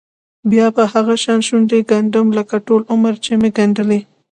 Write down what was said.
بیا به هغه شان شونډې ګنډم لکه ټول عمر چې مې ګنډلې.